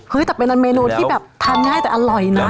เฮ้ยมีเนื้อที่แบบทานง่ายแต่อร่อยนะ